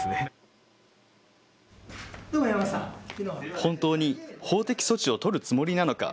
本当に法的措置を取るつもりなのか。